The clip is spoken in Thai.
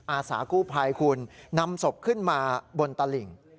อาสากู้ภัยคุณนำศพขึ้นมาบนตลิ่ง